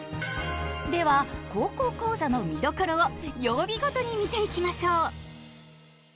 では「高校講座」の見どころを曜日ごとに見ていきましょう！